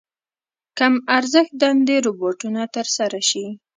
کم ارزښت دندې روباټونو تر سره شي.